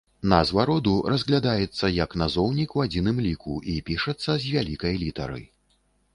Назва роду разглядаецца як назоўнік ў адзіным ліку і пішацца з вялікай літары.